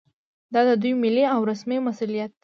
دا د دوی ملي او رسمي مسوولیت دی